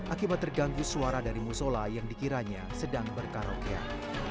akibat terganggu suara dari musola yang dikiranya sedang berkaroke